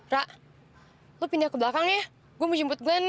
rak lo pindah ke belakang ya gue mau jemput glenn